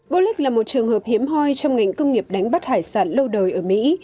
bullock là một trường hợp hiếm hoi trong ngành công nghiệp đánh bắt hải sản lâu đời ở mỹ